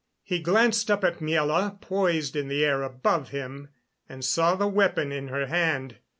He glanced up at Miela, poised in the air above him, and saw the weapon in her hand.